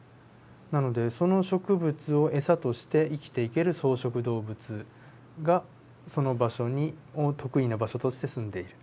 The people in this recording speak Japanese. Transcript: なのでその植物を餌として生きていける草食動物がその場所を得意な場所として住んでいる。